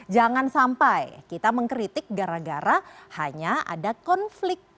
jangan sampai kita mengkritik gara gara hanya ada konflik